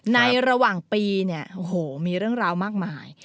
ในระหว่างปีเนี่ยโอ้โหมีเรื่องราวมากมาย